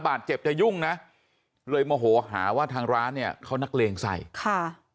ออกไปชั่วโมงนึงย้อนกลับมาแล้วมาทำยังไงไปดูนะฮะ